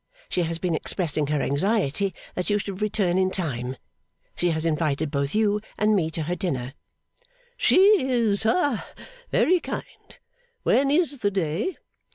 She has been expressing her anxiety that you should return in time. She has invited both you and me to her dinner.' 'She is ha very kind. When is the day?